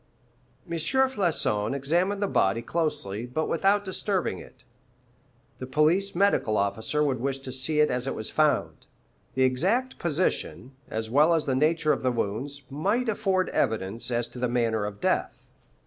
M. Floçon examined the body closely, but without disturbing it. The police medical officer would wish to see it as it was found. The exact position, as well as the nature of the wounds, might afford evidence as to the manner of death.